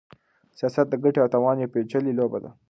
سياست د ګټې او تاوان يوه پېچلې لوبه ده.